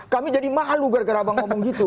kami jadi malu gara gara bang ngomong gitu